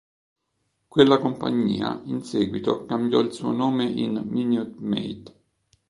Quella compagnia in seguito cambiò il suo nome in Minute Maid.